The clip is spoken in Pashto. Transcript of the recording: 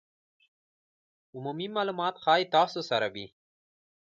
عمومي مالومات ښایي تاسو سره وي